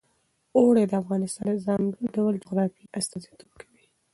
اوړي د افغانستان د ځانګړي ډول جغرافیه استازیتوب کوي.